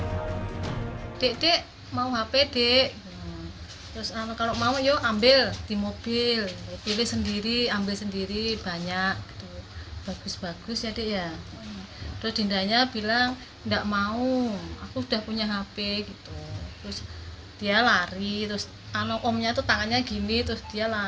anak omnya itu tangannya gini terus dia lari ke sekolahan lagi sambil nangis